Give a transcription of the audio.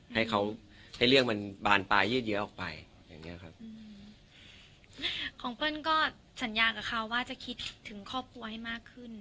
ให้เขาให้เรื่องมันบานปลายยืดเยอะออกไปอย่างเงี้ยครับของเปิ้ลก็สัญญากับเขาว่าจะคิดถึงครอบครัวให้มากขึ้น